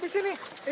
terima kasih pak